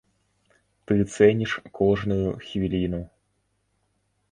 Ты цэніш кожную хвіліну.